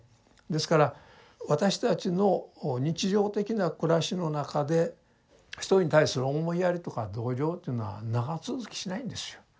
ですから私たちの日常的な暮らしの中で人に対する思いやりとか同情というのは長続きしないんですよ。